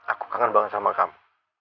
aku kangen banget sama kamu